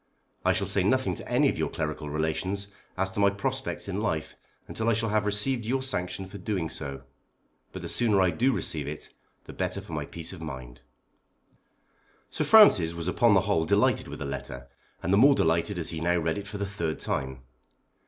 I shall say nothing to any of your clerical relations as to my prospects in life until I shall have received your sanction for doing so. But the sooner I do receive it the better for my peace of mind. Sir Francis was upon the whole delighted with the letter, and the more delighted as he now read it for the third time.